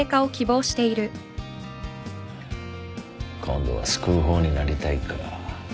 今度は救う方になりたいか。